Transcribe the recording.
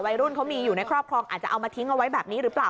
วัยรุ่นเขามีอยู่ในครอบครองอาจจะเอามาทิ้งเอาไว้แบบนี้หรือเปล่า